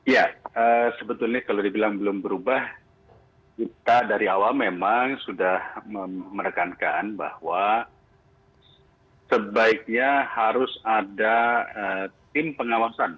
ya sebetulnya kalau dibilang belum berubah kita dari awal memang sudah merekankan bahwa sebaiknya harus ada tim pengawasan